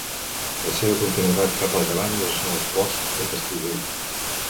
La seva continuïtat cap a llevant és el Bosc de Castellvell.